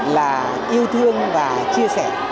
là yêu thương và chia sẻ